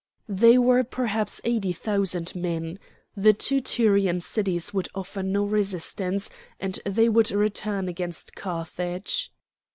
They were perhaps eighty thousand men. The two Tyrian cities would offer no resistance, and they would return against Carthage.